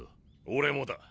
俺もだ。